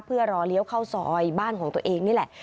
เพื่อรอเลี้ยวเข้าซอยบ้านของตัวเองนี่แหละ